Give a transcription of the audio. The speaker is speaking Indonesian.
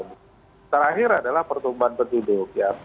yang ketiga adalah pertumbuhan penduduk